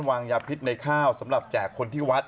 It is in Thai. วางยาพิษในข้าวสำหรับแจกคนที่วัด